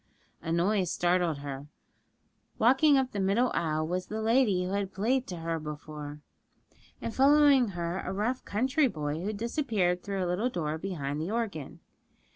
A noise startled her: walking up the middle aisle was the lady who had played to her before, and following her a rough country boy, who disappeared through a little door behind the organ.